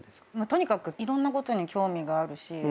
とにかくいろんなことに興味があるし。